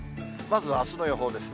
まずあすの予報です。